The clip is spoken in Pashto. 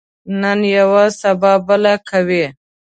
نن یوه، سبا بله کوي.